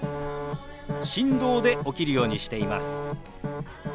振動で起きるようにしています。